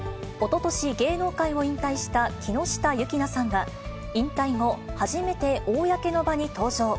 おととし、芸能界を引退した木下優樹菜さんが、引退後、初めて公の場に登場。